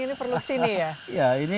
ini perlu kesini ya